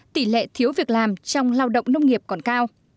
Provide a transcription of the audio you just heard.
nông nghiệp làm trong lao động nông nghiệp còn cao